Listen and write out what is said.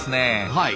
はい。